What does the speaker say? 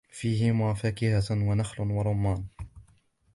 فيهما فاكهة ونخل ورمان